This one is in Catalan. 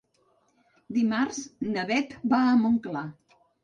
Dimarts na Beth va a Montclar.